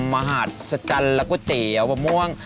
มหาศจรรย์และก๋วยเตี๋ยวมะม่วง